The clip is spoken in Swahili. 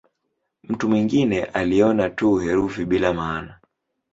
Mtu mwingine aliona tu herufi bila maana.